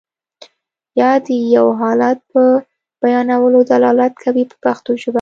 یا د یو حالت په بیانولو دلالت کوي په پښتو ژبه.